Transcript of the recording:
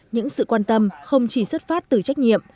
những sự quan tâm không chỉ xuất phát từ trách nhiệm